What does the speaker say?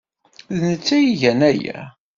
D netta ay igan aya.